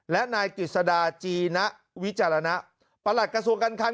และนายกฤษดาจีนะวิจารณะประหลัดกระทรวงการคัง